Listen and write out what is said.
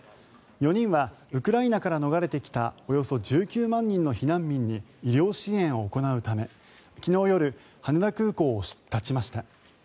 ４人はウクライナから逃れてきたおよそ１９万人の避難民に医療支援を行うため昨日夜、羽田空港を発ちました。